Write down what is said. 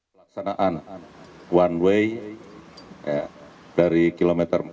pelaksanaan one way dari kilometer empat ratus empat belas